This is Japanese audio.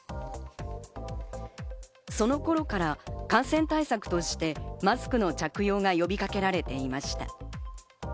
その頃から感染対策としてマスクの着用が呼びかけられていました。